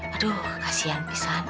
aduh kasihan pisahnya